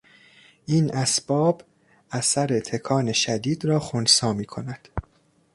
این اسباب اثر تکان شدید را خنثی میکند.